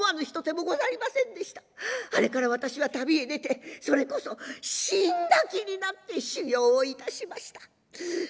あれから私は旅へ出てそれこそ死んだ気になって修業をいたしました。